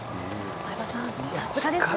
相葉さん、さすがですね。